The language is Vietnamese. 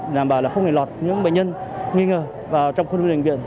để đảm bảo là không thể lọt những bệnh nhân nghi ngờ vào trong khu vực bệnh viện